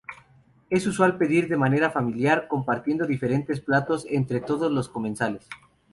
Es usual pedir de manera familiar, compartiendo diferentes platos entre todos los comensales.